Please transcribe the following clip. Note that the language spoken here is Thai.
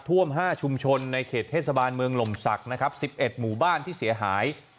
ท่วม๕ชุมชนในเขตเทศบาลเมืองหล่มศักดิ์นะครับ๑๑หมู่บ้านที่เสียหาย